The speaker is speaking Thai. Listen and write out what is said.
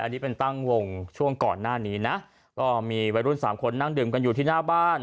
อันนี้เป็นตั้งวงช่วงก่อนหน้านี้นะก็มีวัยรุ่นสามคนนั่งดื่มกันอยู่ที่หน้าบ้าน